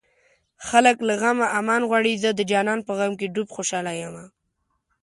خلک له غمه امان غواړي زه د جانان په غم کې ډوب خوشاله يمه